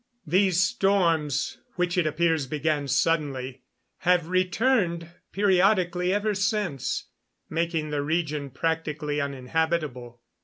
These storms, which it appears began suddenly, have returned periodically ever since, making the region practically uninhabitable.